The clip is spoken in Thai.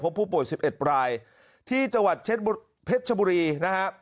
พบผู้ป่วยสิบเอ็ดรายที่รองงานพ็็ชมโบรีนะคะ